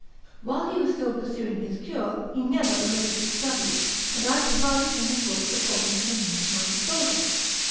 While he was still pursuing his cure, he never omitted his studies, and I provided him with books according to the means at my disposal.